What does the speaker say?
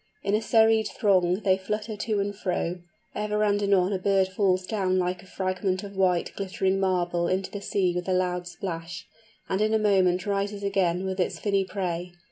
In a serried throng they flutter to and fro; ever and anon a bird falls down like a fragment of white glittering marble into the sea with a loud splash, and in a moment rises again with its finny prey.